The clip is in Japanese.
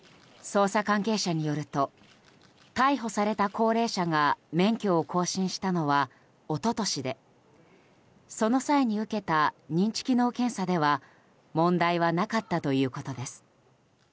捜査関係者によると逮捕された高齢者が免許を更新したのは一昨年でその際に受けた認知機能検査では問題はなかったということです。